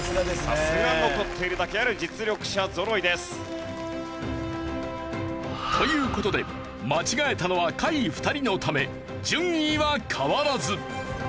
さすが残っているだけあるという事で間違えたのは下位２人のため順位は変わらず。